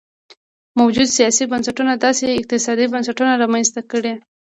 موجوده سیاسي بنسټونو داسې اقتصادي بنسټونه رامنځته کړي.